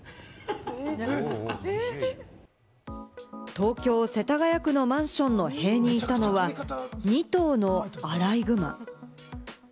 東京・世田谷区のマンションの塀にいたのは２頭のアライグマ。